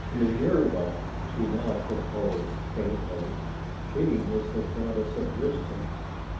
"Minerva," she now proposed faintly, "she was the Goddess of Wisdom."